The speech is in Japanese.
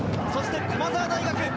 そして駒澤大学